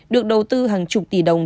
được đầu tư hàng chục tỷ đồng